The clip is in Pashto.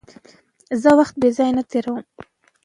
زه وخت بېځایه نه تېرووم.